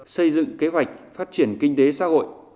xây dựng kế hoạch phát triển kinh tế xã hội